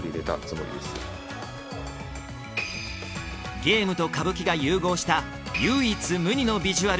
ゲームと歌舞伎が融合した唯一無二のビジュアル